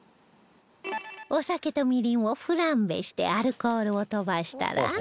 お酒とみりんをフランベしてアルコールを飛ばしたら